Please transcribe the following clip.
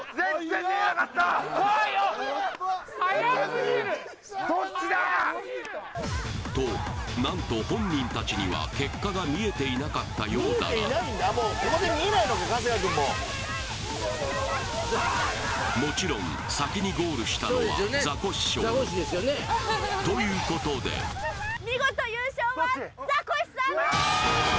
怖いよ！と何と本人達には結果が見えていなかったようだがもちろん先にゴールしたのはザコシショウということでやった！